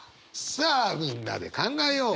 さあみんなで考えよう！